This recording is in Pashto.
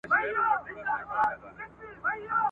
لمره هغه ابلیس چي تا به په ښکرونو کي وړي !.